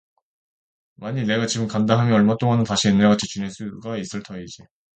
만일 내가 지금 간다 하면 얼마 동안은 다시 옛날같이 지낼 수가 있을 터이지.